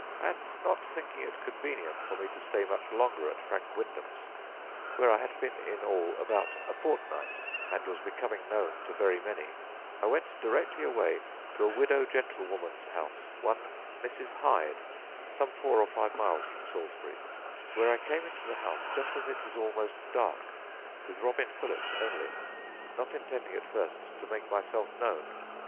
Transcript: And not thinking it convenient for me to stay much longer at Frank Windham's (where I had been in all about a fortnight, and was become known to very many), I went directly away to a widow gentlewoman's house, one Mrs. Hyde, some four or five miles from Salisbury, where I came into the house just as it was almost dark, with Robin Philips only, not intending at first to make myself known.